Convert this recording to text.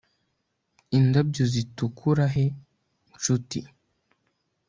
indabyo zituruka he, nshuti